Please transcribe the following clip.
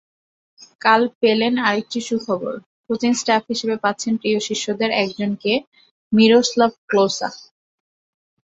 কাল পেলেন আরেকটি সুখবর, কোচিং স্টাফ হিসেবে পাচ্ছেন প্রিয় শিষ্যদের একজনকে—মিরোস্লাভ ক্লোসা।